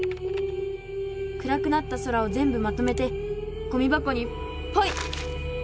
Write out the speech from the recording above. くらくなった空を全部まとめてゴミ箱にポイ！